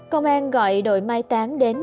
công an gọi đội mai tán đến